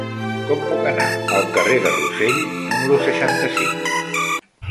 Com puc anar al carrer de Rossell número seixanta-cinc?